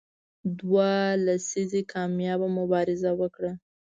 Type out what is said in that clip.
دوه لسیزې کامیابه مبارزه وکړه.